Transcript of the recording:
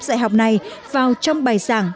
dạy học này vào trong bài giảng